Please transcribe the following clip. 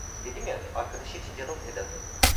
Dedim ya, arkadaş için canım feda…